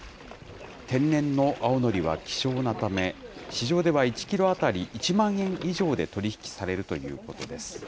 天然の青のりは希少なため、市場では１キロ当たり１万円以上で取り引きされるということです。